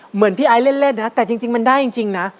เหมือนพี่ไอ้เล่นนะแต่จริงมันได้จริงนะ